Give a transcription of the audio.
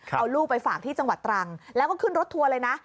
เอาลูกไปฝากที่จังหวัดตรังแล้วก็ขึ้นรถทัวร์เลยนะ